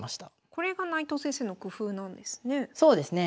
これが内藤先生の工夫なんですね。